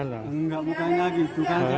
enggak bukannya gitu